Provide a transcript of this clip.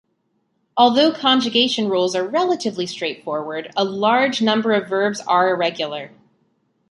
Although conjugation rules are relatively straightforward, a large number of verbs are irregular.